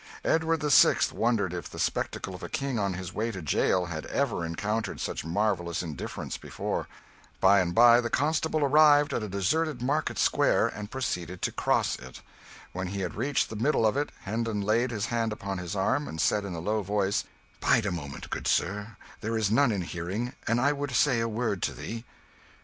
Edward the Sixth wondered if the spectacle of a king on his way to jail had ever encountered such marvellous indifference before. By and by the constable arrived at a deserted market square, and proceeded to cross it. When he had reached the middle of it, Hendon laid his hand upon his arm, and said in a low voice "Bide a moment, good sir, there is none in hearing, and I would say a word to thee."